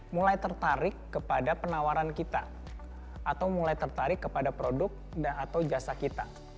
mulai tertarik kepada penawaran kita atau mulai tertarik kepada produk atau jasa kita